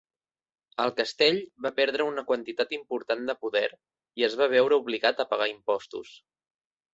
El castell va perdre una quantitat important de poder i es va veure obligat a pagar impostos.